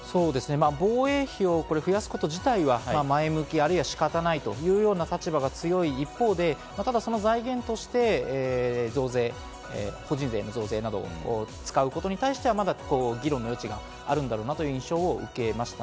防衛費を増やすこと自体は前向き、あるいは仕方ないという立場が強い一方で、財源として増税、法人税の増税などを使うことについてはまだ議論の余地があるのかなという印象を受けました。